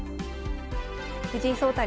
藤井聡太